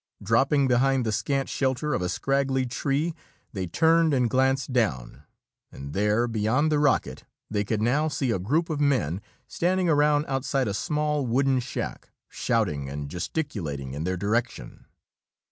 Dropping behind the scant shelter of a scraggly tree, they turned and glanced down and there, beyond the rocket, they could now see a group of men standing around outside a small wooden shack, shouting and gesticulating in their direction.